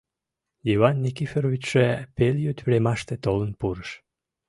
Йыван Никифоровичше пелйӱд времаште толын пурыш.